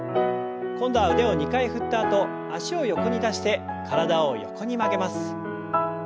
今度は腕を２回振ったあと脚を横に出して体を横に曲げます。